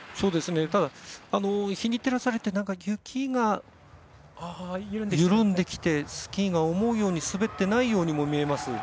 ただ、日に照らされて雪が緩んできてスキーが思うように滑っていないようにも見えます。